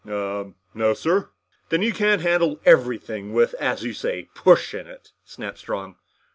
"Uhh no, sir." "Then you can't handle everything with, as you say, push in it!" snapped Strong.